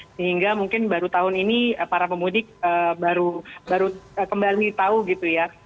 sehingga mungkin baru tahun ini para pemudik baru kembali tahu gitu ya